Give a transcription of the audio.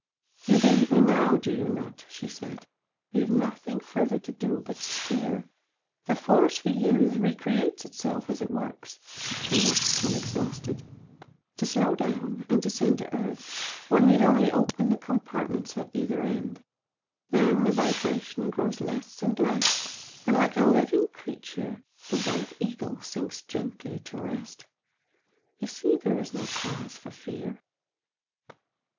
"You believe me now, do you not?" she said "We have nothing further to do but to steer. The force we use re creates itself as it works it cannot become exhausted. To slow down and descend to earth one need only open the compartments at either end then the vibration grows less and less, and like a living creature the 'White Eagle' sinks gently to rest. You see there is no cause for fear!"